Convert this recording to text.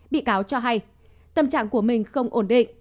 bị cáo cho hay tâm trạng của mình không ổn định